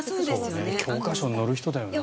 教科書に載る人だよな。